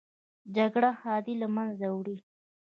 جګړه ښادي له منځه وړي